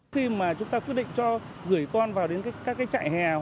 cái chạy hè đó và cái chương trình